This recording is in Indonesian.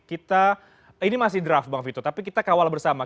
kita ini masih draft bang vito tapi kita kawal bersama